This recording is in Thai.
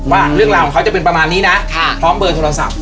ว่าเรื่องราวของเขาจะเป็นประมาณนี้นะพร้อมเบอร์โทรศัพท์